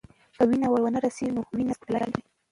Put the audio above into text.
که وینې ور ونه رسیږي، نو وینې سترګو ته لارې کوي.